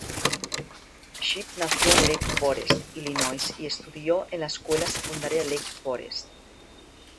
Shipp nació en Lake Forest, Illinois y estudió en la Escuela Secundaria Lake Forest.